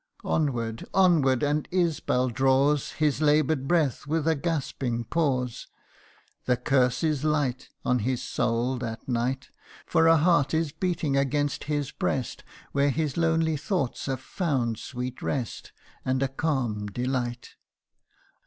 CANTO IV, 153 i Onward onward and Isbal draws His labour'd breath with a gasping pause ; The curse is light On his soul that night ; For a heart is beating against his breast, Where his lonely thoughts have found sweet rest, And a calm delight.